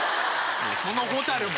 その螢も。